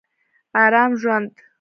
ارام ژوند